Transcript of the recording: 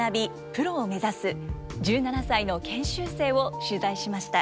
プロを目指す１７歳の研修生を取材しました。